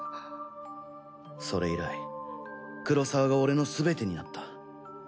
それ以来黒澤が俺のすべてになった。